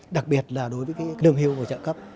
đặc biệt là đối với đường hưu và hỗ trợ cấp